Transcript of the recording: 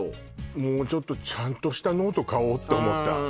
もうちょっとちゃんとしたノート買おうって思った